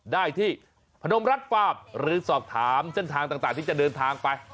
ได้ที่พนมรัฐฟาร์มหรือสอบถามเส้นทางต่างที่จะเดินทางไป